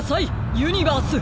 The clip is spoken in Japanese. ユニバース！